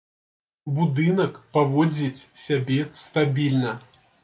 Будынак паводзіць сябе стабільна.